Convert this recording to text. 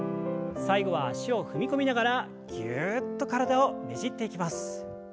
最後は脚を踏み込みながらギュっと体をねじっていきます。